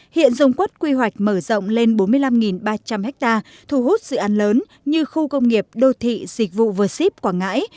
hiện dùng quất quy hoạch mở rộng lên bốn mươi năm ba trăm linh ha thu hút dự án lớn như khu công nghiệp đô thị dịch vụ v ship quảng ngãi